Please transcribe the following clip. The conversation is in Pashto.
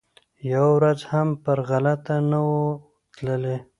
یوه ورځ هم پر غلطه نه وو تللی